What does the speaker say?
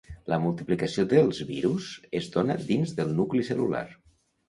La multiplicació dels virus es dóna dins del nucli cel·lular.